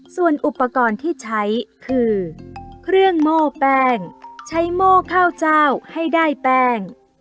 ส่วนอุปกรณ์ที่ใช้คือเครื่องโม่แป้งใช้โม่ข้าวเจ้าให้ได้แป้ง